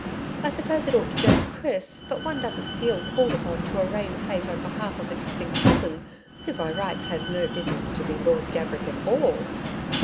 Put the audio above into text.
I suppose it ought to go to Chris, but one doesn't feel called upon to arraign Fate on behalf of a distant cousin who by rights has no business to be Lord Gaverick at all.